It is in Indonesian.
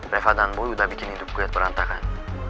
reva dan boy kita bikin hidup gue berantakan